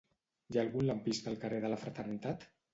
Hi ha algun lampista al carrer de la Fraternitat?